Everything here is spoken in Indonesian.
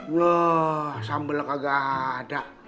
wah sambelnya kagak ada